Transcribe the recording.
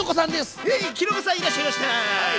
ヘイきのこさんいらっしゃいました！